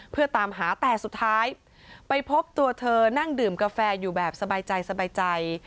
เพื่อตามหาแต่สุดท้ายไปพบตัวเธอนั่งดื่มกาแฟอยู่แบบสบายใจสบายใจ